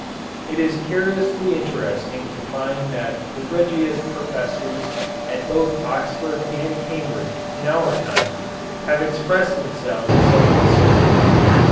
It is curiously interesting to find that the Regius Professors at both Oxford and Cambridge in our time have expressed themselves somewhat similarly.